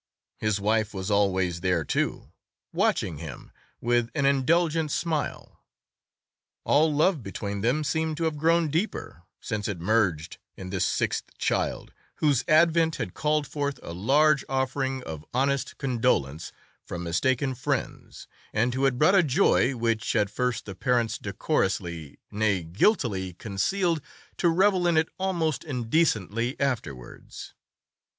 His wife was always there, too, watching him with an indulgent smile. All love between them seemed to have grown deeper since it merged in this sixth child, whose advent had called forth a large offering of honest condolence from mistaken friends, and who had brought a joy which at first the parents decorously—nay, guiltily—concealed, to revel in it almost indecently afterwards.